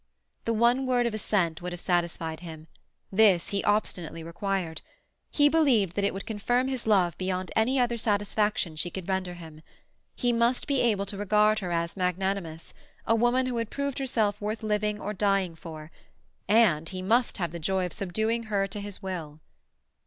The one word of assent would have satisfied him. This he obstinately required. He believed that it would confirm his love beyond any other satisfaction she could render him. He must be able to regard her as magnanimous, a woman who had proved herself worth living or dying for. And he must have the joy of subduing her to his will.